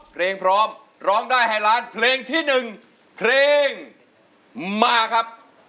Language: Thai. เพลงพร้อมร้องได้ให้ล้านเพลงที่๑เพลงมาครับ